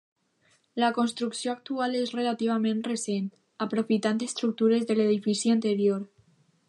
La construcció actual és relativament recent, aprofitant estructures de l'edifici anterior.